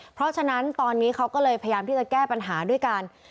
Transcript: เพราะฉะนั้นตอนนี้เขาก็เลยพยายามที่จะแก้ปัญหาด้วยกัน